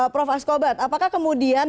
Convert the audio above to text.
prof ascoman apakah kemudian